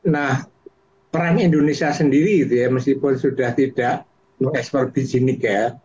nah perang indonesia sendiri gitu ya meskipun sudah tidak ekspor bisnis nikel